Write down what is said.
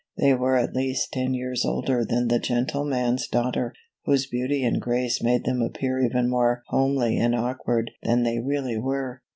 They were at least ten years older than the gentleman's daughter, whose beauty and grace made them appear even more homely and awkward than they really were.